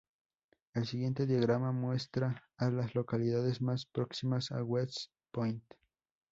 El siguiente diagrama muestra a las localidades más próximas a West Point.